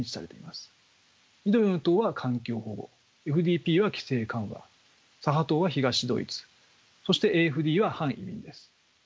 緑の党は環境保護ＦＤＰは規制緩和左派党は東ドイツそしてＡｆＤは反移民です。